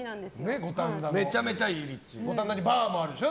五反田にバーもあるでしょ？